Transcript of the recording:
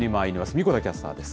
神子田キャスターです。